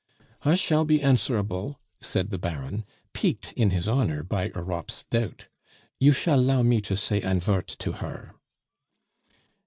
"I shall be answerable," said the Baron, piqued in his honor by Europe's doubt. "You shall 'llow me to say ein vort to her."